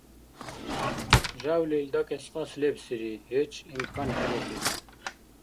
Жявлил дакӀес кьас лебсири, гьеч имкан хӀебакӀиб.